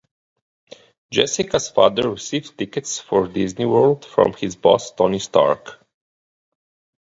Jessica's father receives tickets for Disney World from his boss Tony Stark.